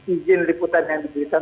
izin liputan yang diberikan